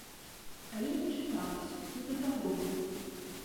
Але не чыталася, не да таго было.